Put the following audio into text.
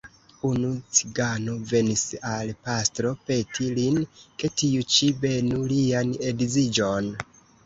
Unu cigano venis al pastro peti lin, ke tiu ĉi benu lian edziĝon.